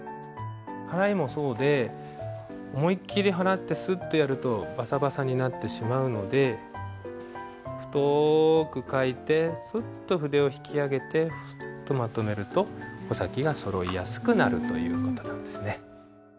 払いもそうで思いっきり払ってスッとやるとバサバサになってしまうので太く書いてフッと筆を引き上げてフッとまとめると穂先がそろいやすくなるという事なんですね。